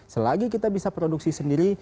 selagi kita bisa produksi sendiri